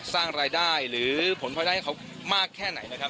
สร้างรายได้หรือผลพลอยได้ให้เขามากแค่ไหนนะครับ